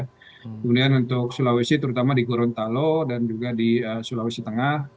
kemudian untuk sulawesi terutama di gorontalo dan juga di sulawesi tengah